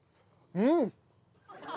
うん！